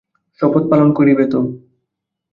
শপথ পালন করিবে তো?